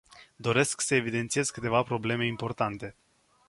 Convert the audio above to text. Doresc să evidențiez câteva probleme importante.